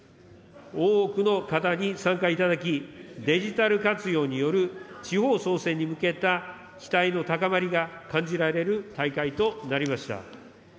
多くの方に参加いただき、デジタル活用による地方創生に向けた期待の高まりが、感じられる大会となりました。